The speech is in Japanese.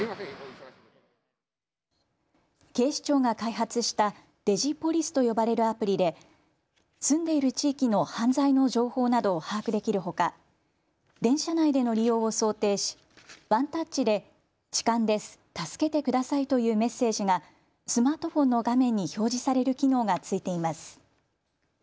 警視庁が開発したＤｉｇｉＰｏｌｉｃｅと呼ばれるアプリで住んでいる地域の犯罪の情報などを把握できるほか電車内での利用を想定しワンタッチで、痴漢です助けてくださいというメッセージがスマートフォンの画面に表示される機能がついています。